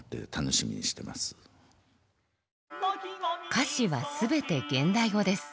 歌詞は全て現代語です。